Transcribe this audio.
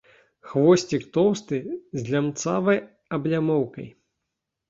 Хвосцік тоўсты, з лямцавай аблямоўкай.